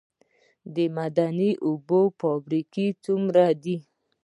د معدني اوبو فابریکې څومره دي؟